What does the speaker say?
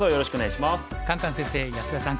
カンカン先生安田さん